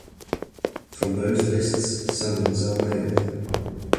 From those lists, summons are mailed.